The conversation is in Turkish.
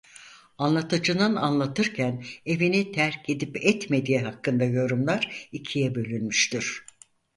Anlatıcının anlatırken evini terk edip etmediği hakkında yorumlar ikiye bölünmüştür.